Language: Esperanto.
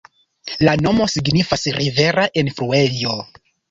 La nomo signifas "Rivera enfluejo".